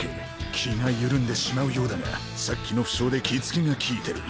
気が緩んでしまうようだがさっきの負傷で気つけが効いてる。